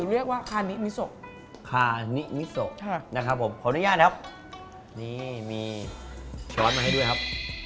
มีแต่มันนะครับ